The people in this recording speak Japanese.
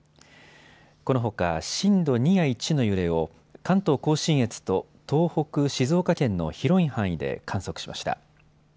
このほか震度２や１の揺れを関東甲信越と東北、静岡県の広い範囲で観測しました。